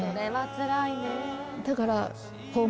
だから。